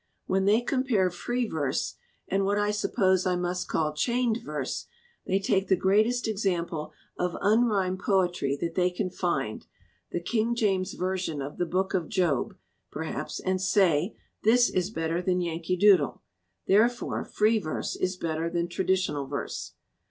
When they compare free verse, and what I suppose I must call chained verse, they take the greatest example of unrhymed poetry that they can find the King James ver sion of the Book of Job, perhaps and say: 'This is better than "Yankee Doodle." Therefore, free verse is better than traditional verse.'